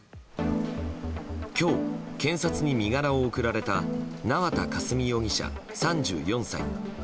今日、検察に身柄を送られた縄田佳純容疑者、３４歳。